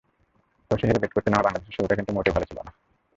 টসে হেরে ব্যাট করতে নামা বাংলাদেশের শুরুটা কিন্তু মোটেও ভালো ছিল না।